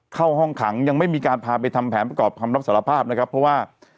เข้าห้องขังยังไม่มีการพาไปทำแผนประกอบคำรับสารภาพนะครับเพราะว่า